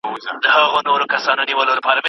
شاه شجاع باید د هغه اجازه واخلي.